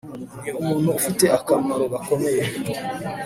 Ni umuntu ufite akamaro gakomeye